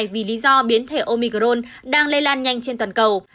vì lý do biến thể omicrone đang lây lan nhanh trên toàn cầu